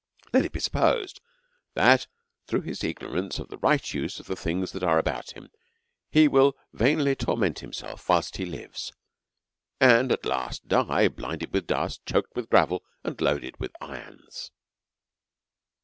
Let it be supposed that, through his ignorance of the right use of the things that are about him, he will plainly torment himself whilst he lives, and at last die, blinded with dust, chok ed with gravel, and loaded with irons.